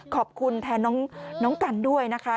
ขอบคุณแทนน้องกันด้วยนะคะ